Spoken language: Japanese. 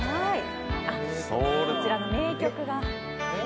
こちらの名曲が。